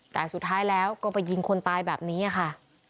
แต่สุดท้ายแล้วก็ไปยิงคนตายแบบนี้ค่ะ